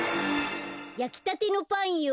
やきたてのパンよ。